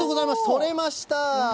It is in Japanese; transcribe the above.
取れました。